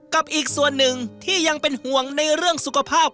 กับอีกส่วนหนึ่งที่ยังเป็นห่วงในเรื่องสุขภาพ